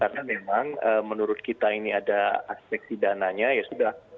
karena memang eh menurut kita ini ada aspeksi dananya ya sudah